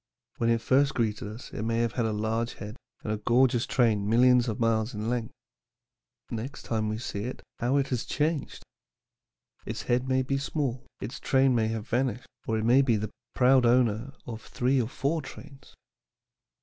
When it first greeted us it may have had a large head and a gorgeous train millions of miles in length. Next time we see it, how it has changed! Its head may be small, its train may have vanished, or it may be the proud owner of three or four trains.